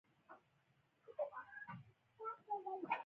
زما د خبرو څخه د حلاوت خواږه ټولوي